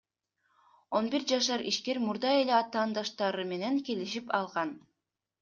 Он бир жашар ишкер мурда эле атаандаштары менен келишип алган.